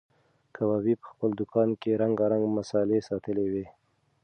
کبابي په خپل دوکان کې رنګارنګ مسالې ساتلې وې.